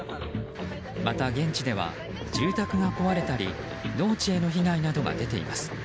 また、現地では住宅が壊れたり農地への被害などが出ています。